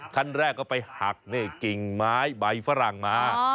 ขั้นแรกเขาไปหักเน่กิ่งไม้ใบฝรั่งมา